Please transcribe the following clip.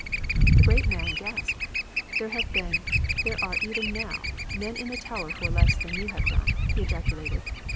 The great man gasped. "There have been there are even now men in the Tower for less than you have done!" he ejaculated.